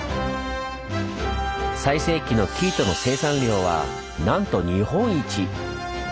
最盛期の生糸の生産量はなんと日本一！